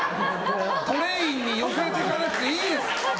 トレインに寄せなくていいです！